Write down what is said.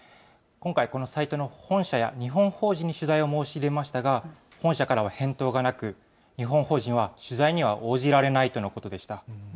今回、このサイトの本社や日本法人に取材を申し入れましたが、本社からは返答がなく、日本法人は取材には応じられないとのことでした。